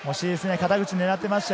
肩口を狙っていました。